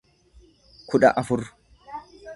kudha afur